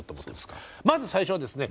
まず最初はですね